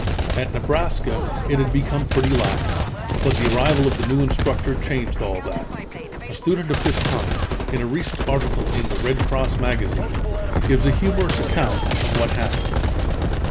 At Nebraska it had become pretty lax but the arrival of the new instructor changed all that. A student of this time, in a recent article in The Red Cross Magazine, gives a humorous account of what happened.